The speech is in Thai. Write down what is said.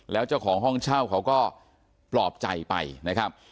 แล้วเจ้าของห้องเช่าเขาก็ปลอบใจไปนะครับ